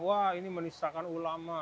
wah ini menistakan ulama